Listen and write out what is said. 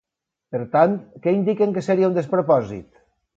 Per tant, què indiquen que seria un despropòsit?